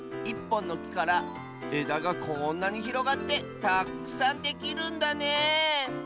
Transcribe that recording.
１ぽんのきからえだがこんなにひろがってたくさんできるんだね